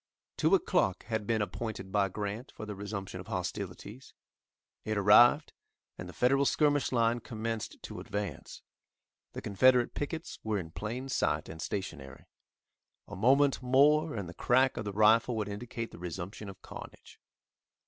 Two o'clock had been appointed by Grant for the resumption of hostilities. It arrived, and the Federal skirmish line commenced to advance. The Confederate pickets were in plain sight, and stationary. A moment more and the crack of the rifle would indicate the resumption of carnage.